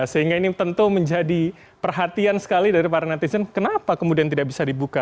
sehingga ini tentu menjadi perhatian sekali dari para netizen kenapa kemudian tidak bisa dibuka